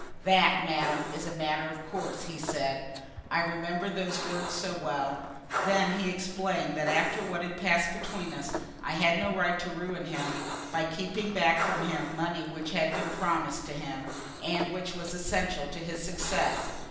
"That, madam, is a matter of course," he said. I remember those words so well. Then he explained that after what had passed between us, I had no right to ruin him by keeping back from him money which had been promised to him, and which was essential to his success.